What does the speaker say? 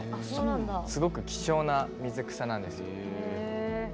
すごく希少な水草なんです。